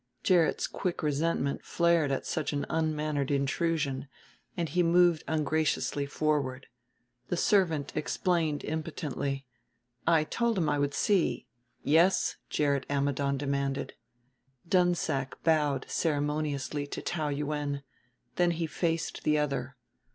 Gerrit's quick resentment flared at such an unmannered intrusion, and he moved ungraciously forward. The servant explained impotently, "I told him I would see " "Yes?" Gerrit Ammidon demanded. Dunsack bowed ceremoniously to Taou Yuen, then he faced the other.